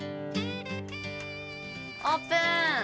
オープン。